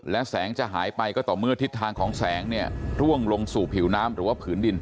และแสงจะหายไปก็ต่อเมื่อทิศทางของแสงเนี่ยร่วงลงสู่ผิวน้ำหรือว่าผืนดิน